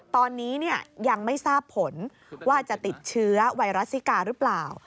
ตอนนี้ยังไม่ทราบผลว่าจะติดเชื้อไวรัสซิกาหรือเปล่า